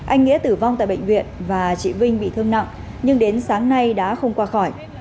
anh nghĩa tử vong tại bệnh viện và chị vinh bị thương nặng nhưng đến sáng nay đã không qua khỏi